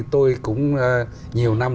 tôi cũng nhiều năm